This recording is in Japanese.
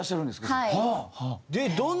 はい。